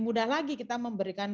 mudah lagi kita memberikan